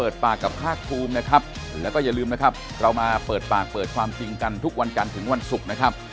อย่าทำเลยครับไม่เกิดประโยชน์